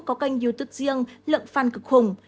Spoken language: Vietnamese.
có kênh youtube riêng lượng fan cực khủng